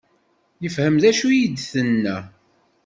Yefhem d acu i d-tenna?